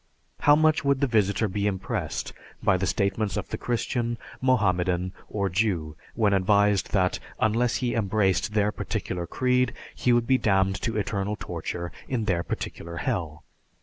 How much would the visitor be impressed by the statements of the Christian, Mohammedan, or Jew, when advised that unless he embraced their particular creed, he would be damned to eternal torture in their particular Hell?